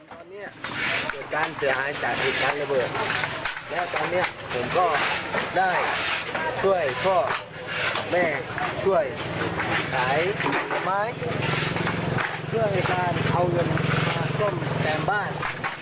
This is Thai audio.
เพื่อให้การเข้าหยุดภาคส้มแก่งบ้าน